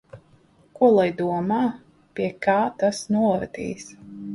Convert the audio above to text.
Ko lai domā? Pie kā tas novedīs?